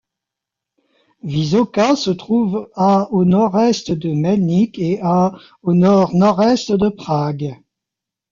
Vysoká se trouve à au nord-est de Mělník et à au nord-nord-est de Prague.